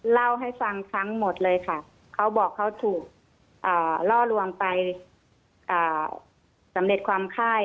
เล่าให้ฟังทั้งหมดเลยค่ะเขาบอกเขาถูกล่อลวงไปสำเร็จความไข้